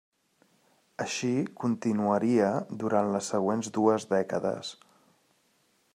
Així continuaria durant les següents dues dècades.